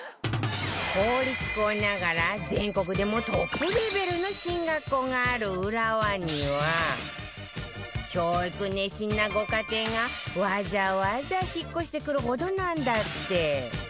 公立校ながら全国でもトップレベルの進学校がある浦和には教育熱心なご家庭がわざわざ引っ越してくるほどなんだって